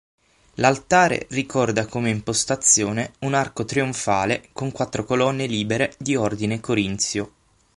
L'altare ricorda come impostazione un arco trionfale con quattro colonne libere di ordine corinzio.